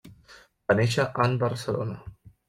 Va néixer en Barcelona.